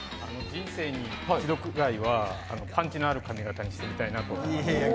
人生に一度くらいはパンチのある髪形にしてみたいなと。